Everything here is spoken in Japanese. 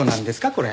これ。